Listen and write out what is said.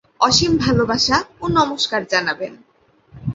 অসীম ভালবাসা ও নমস্কার জানবেন।